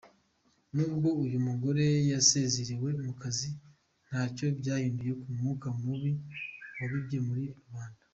Nubwo uyu mugore yasezerewe mu kazi, ntacyo byahinduye ku mwuka mubi yabibye muri rubanda.